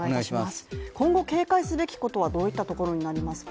今後警戒すべきことはどういったことになりますか？